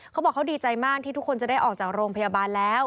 เขาบอกเขาดีใจมากที่ทุกคนจะได้ออกจากโรงพยาบาลแล้ว